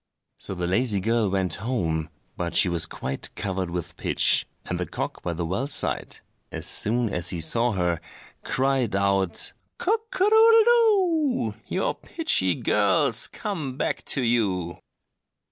So the lazy girl went home; but she was quite covered with pitch, and the cock by the well side, as soon as he saw her, cried out— "Cock a doodle doo! Your pitchy girl's come back to you!"